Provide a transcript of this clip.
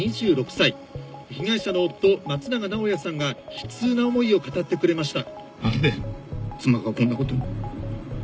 被害者の夫松永直哉さんが悲痛な思いを語ってくれました。